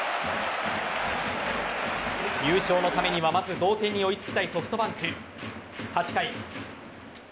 優勝のためにはまず同点に追いつきたいソフトバンク。８回。